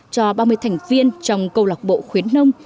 cho ba mươi thành viên trong câu lạc bộ khuyến nông